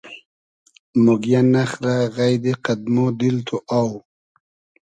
موگیۂ نئخرۂ غݷدی قئد مۉ دیل تو اۆ